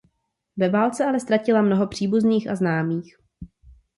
Ve válce ale ztratila mnoho příbuzných a známých.